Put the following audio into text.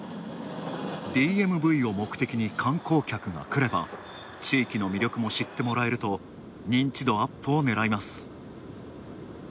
ＤＭＶを目的に観光客がくれば、地域の魅力を知ってもらえると認知度アップを狙います。